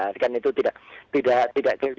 dan itu tidak terjadi